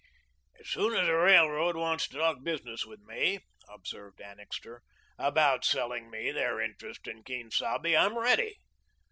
"As soon as the railroad wants to talk business with me," observed Annixter, "about selling me their interest in Quien Sabe, I'm ready.